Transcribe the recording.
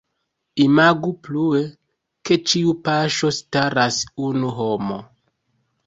Imagu plue, ke je ĉiu paŝo staras unu homo.